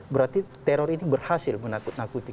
berarti teror ini berhasil menakuti